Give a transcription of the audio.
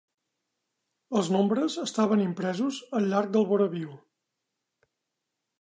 Els nombres estaven impresos al llarg del voraviu.